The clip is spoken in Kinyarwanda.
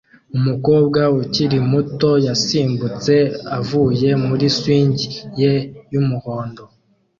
Umukobwa ukiri muto yasimbutse avuye muri swing ye yumuhondo